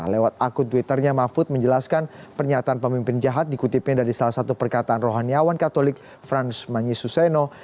nah lewat akun twitternya mahfud menjelaskan pernyataan pemimpin jahat dikutipnya dari salah satu perkataan rohaniawan katolik franz manjuseno